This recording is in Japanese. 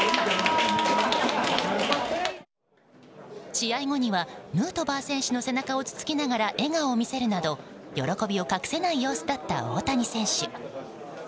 試合後にはヌートバー選手の背中をつつきながら笑顔を見せるなど喜びを隠せない様子だった大谷選手。